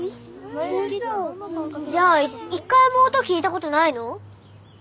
じゃあ一回も音聞いたことないの？